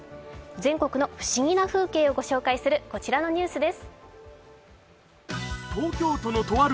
全国の不思議な風景を御紹介するこちらのニュースです。